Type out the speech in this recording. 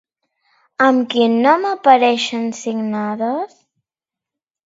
Amb quin nom apareixen signades?